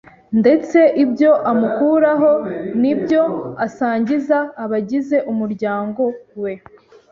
ndetse ibyo amukuraho ni byo asangiza abagize umuryango we